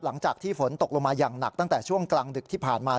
หลังจากที่ฝนตกลงมาอย่างหนักตั้งแต่ช่วงกลางดึกที่ผ่านมา